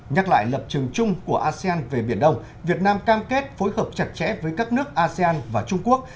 nhắc lại lập trường chung của asean về biển đông việt nam cam kết phối hợp chặt chẽ với các nước asean và trung quốc